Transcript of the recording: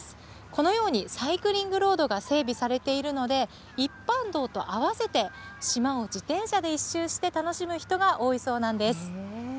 このように、サイクリングロードが整備されているので、一般道と合わせて島を自転車で１周して楽しむ人が多いそうなんです。